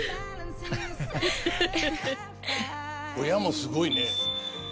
親もすごいね。